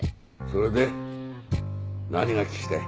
それで？何が聞きたい。